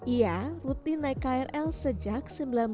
ia rutin naik krl sejak seribu sembilan ratus sembilan puluh